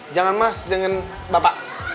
jangan mas jangan bapak